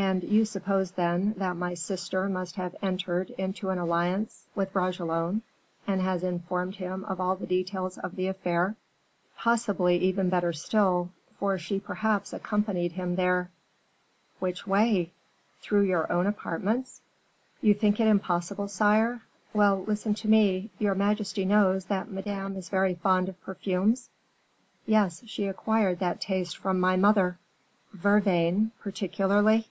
"And you suppose, then, that my sister must have entered into an alliance with Bragelonne, and has informed him of all the details of the affair." "Possibly even better still, for she perhaps accompanied him there." "Which way? through your own apartments?" "You think it impossible, sire? Well, listen to me. Your majesty knows that Madame is very fond of perfumes?" "Yes, she acquired that taste from my mother." "Vervain, particularly."